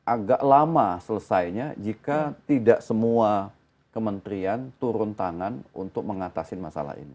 agak lama selesainya jika tidak semua kementerian turun tangan untuk mengatasi masalah ini